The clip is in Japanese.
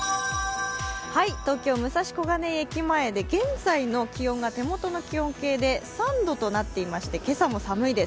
東京・武蔵小金井駅前で現在の気温が手元の気温計で３度となっていまして、今朝も寒いです。